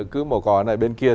cứ màu cỏ này bên kia